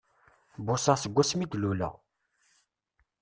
Bbuṣaɣ seg wasmi i d-luleɣ!